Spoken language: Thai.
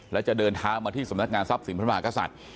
และจะเดินทางมาที่สำนักงานทรัพย์สินพระมหากษัตริย์